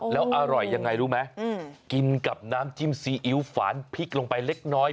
แล้วอร่อยยังไงรู้ไหมกินกับน้ำจิ้มซีอิ๊วฝานพริกลงไปเล็กน้อย